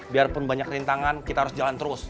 biarpun banyak rintangan kita harus jalan terus